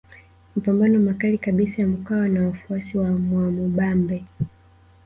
Mapambano makali kabisa ya Mkwawa na wafuasi wa Mwamubambe